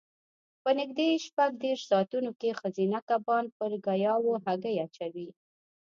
په نږدې شپږ دېرش ساعتو کې ښځینه کبان پر ګیاوو هګۍ اچوي.